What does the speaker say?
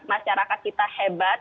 masyarakat kita hebat